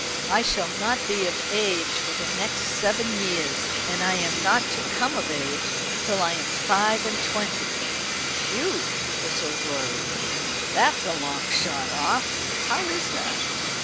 "I shall not be of age for the next seven years. I am not to come of age till I am five and twenty." "Phew!" whistled Rorie, "That's a long shot off. How is that?"